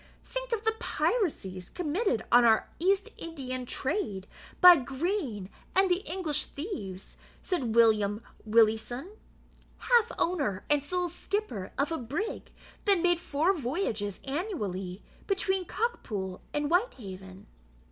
"Think of the piracies committed on our East Indian trade by Green and the English thieves," said William Willieson, half owner and sole skipper of a brig that made four voyages annually between Cockpool and Whitehaven.